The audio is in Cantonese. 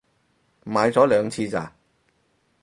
買咗兩次咋